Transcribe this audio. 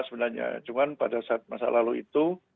sebenarnya cuma pada saat masa lalu itu